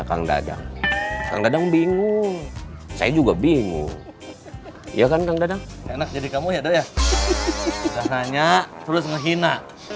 rasanya terus ngehina